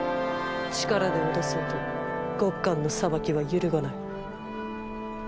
力で脅そうとゴッカンの裁きは揺るがない。